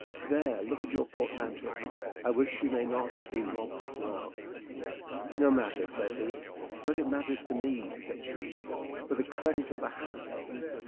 There look at your portmanteau. I wish you may not have been robbed as well." "No matter," said he. "But it matters to me," said she, "for the credit of the house."